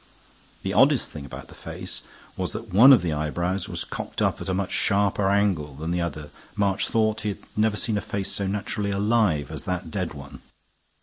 The oddest thing about the face was that one of the eyebrows was cocked up at a much sharper angle than the other. March thought he had never seen a face so naturally alive as that dead one.